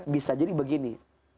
bisa jadi begini